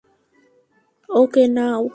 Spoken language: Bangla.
ওকে, নাও।